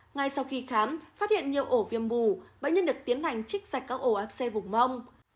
ngay sau khi khám phát hiện nhiều ổ viêm bù bệnh nhân được tiến hành trích sạch các ổ áp xe vùng mông